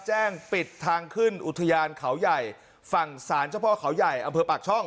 แจ้งปิดทางขึ้นอุทยานเขาใหญ่ฝั่งศาลเจ้าพ่อเขาใหญ่อำเภอปากช่อง